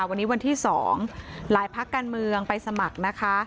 วันนี้วันที่๒หลายพักการเมืองไปสมัครนะคะ